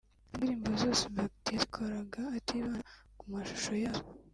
Izi ndirimbo zose Bac-T yazikoraga atibanda ku mashusho yazo